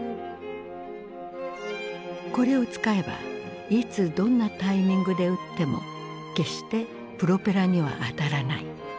これを使えばいつどんなタイミングで撃っても決してプロペラには当たらない。